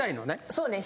そうです。